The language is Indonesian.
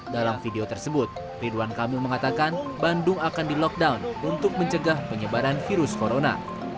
dalam video tersebut ridwan kamil mengatakan bandung akan di lockdown untuk mencegah penyebaran virus corona